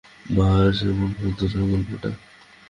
মা, সেই শ্যামলঙ্কার গল্পটা?